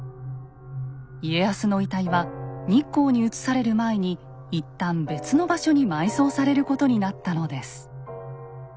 家康の遺体は日光に移される前に一旦別の場所に埋葬されることになったのです。